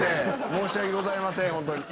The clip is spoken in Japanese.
申し訳ございませんホントに。